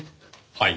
はい？